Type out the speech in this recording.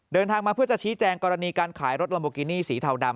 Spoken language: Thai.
เดินทางมาเพื่อจะชี้แจงกรณีการขายรถลัมโบกินี่สีเทาดำ